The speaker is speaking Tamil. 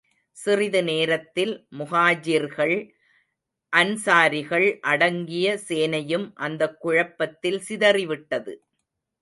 சிறிது நேரத்தில், முஹாஜிர்கள், அன்ஸாரிகள் அடங்கிய சேனையும் அந்தக் குழப்பத்தில் சிதறி விட்டது.